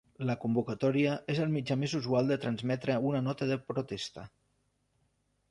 La convocatòria és el mitjà més usual de transmetre una nota de protesta.